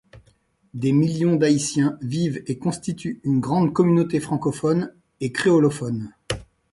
Des millions d'Haïtiens vivent et constituent une grande communauté francophone et creolophone.